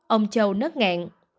ông châu nớt ngẹn